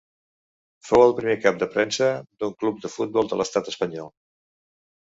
Fou el primer cap de premsa d'un club de futbol de l'estat espanyol.